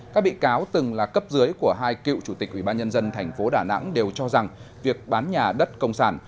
các bị cáo từng là cấp dưới của hai cựu chủ tịch ubnd tp đà nẵng đều cho rằng việc bán nhà đất công sản